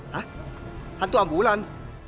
hah hantu ambulan